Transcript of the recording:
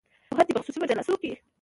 او حتی په خصوصي مجالسو کې